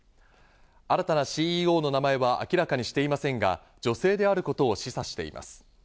新たなＣＥＯの名前は明らかにしていませんが、女性であることを示唆しています。